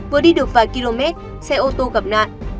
vừa đi được vài km xe ô tô gặp nạn